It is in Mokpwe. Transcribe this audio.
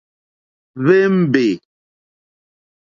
Hwémbè.